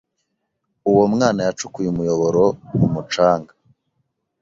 Uwo mwana yacukuye umuyoboro mu mucanga.